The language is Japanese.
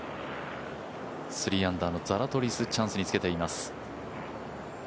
３アンダーのザラトリスチャンスにつけています。